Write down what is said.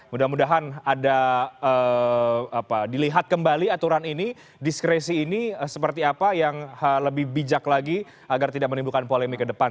mudah mudahan ada dilihat kembali aturan ini diskresi ini seperti apa yang lebih bijak lagi agar tidak menimbulkan polemik ke depan